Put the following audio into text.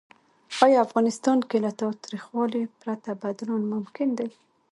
آیا افغانستان کې له تاوتریخوالي پرته بدلون ممکن دی؟